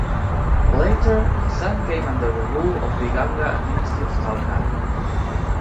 Later Hassan came under the rule of the Ganga Dynasty of Talkad.